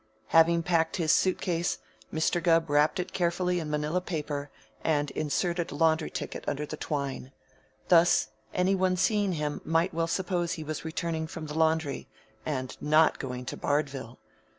Having packed his suitcase, Mr. Gubb wrapped it carefully in manila paper and inserted a laundry ticket under the twine. Thus, any one seeing him might well suppose he was returning from the laundry and not going to Bardville.